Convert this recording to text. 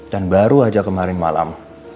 dan baru aja kemarin malam